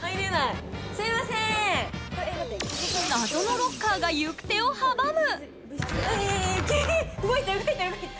謎のロッカーが行く手を阻む。